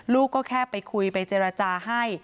ก็แค่ไปคุยไปเจรจาให้